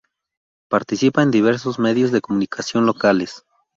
Participa en diversos medios de comunicación locales.